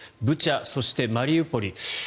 ブチャ、そしてマリウポリ